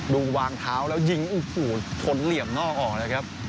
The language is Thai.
วางเท้าแล้วยิงโอ้โหชนเหลี่ยมนอกออกเลยครับ